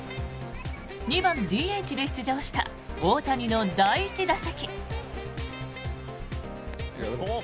２番ＤＨで出場した大谷の第１打席。